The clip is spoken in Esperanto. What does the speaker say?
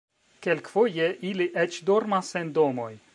Kelkfoje ili eĉ dormas en domoj.